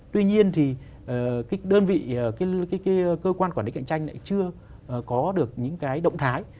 tuy nhiên thì cái đơn vị cơ quan quản lý cạnh tranh lại chưa có được những cái động thái